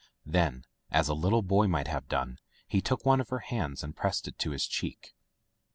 Then, as a little boy might have done, he took one of her hands and pressed it to his cheek.